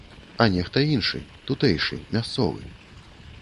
А нехта іншы, тутэйшы, мясцовы.